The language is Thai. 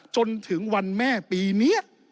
จนถึงวันแม่ปีนี้